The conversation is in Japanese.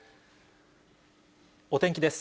お天気です。